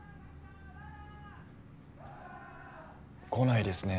来ないですね